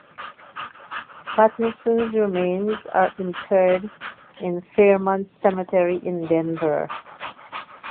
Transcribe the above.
Patterson's remains are interred in Fairmount Cemetery in Denver.